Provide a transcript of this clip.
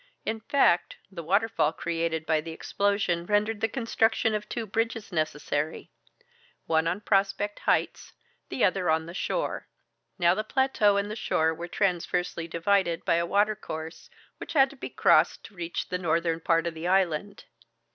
In fact, the waterfall created by the explosion rendered the construction of two bridges necessary, one on Prospect Heights, the other on the shore. Now the plateau and the shore were transversely divided by a watercourse, which had to be crossed to reach the northern part of the island.